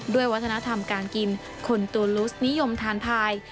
ด้วยวัฒนธรรมการกินคนโตลูสนิยมทานพาย